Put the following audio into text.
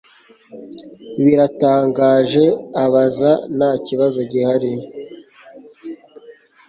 Biratangaje abaza Nta kibazo gihari